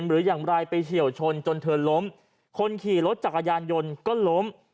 หรืออย่างไรไปเฉียวชนจนเธอล้มคนขี่รถจักรยานยนต์ก็ล้ม